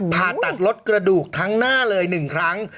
ผ่าตัดลดกระดูกทั้งหน้าเลย๑ครั้ง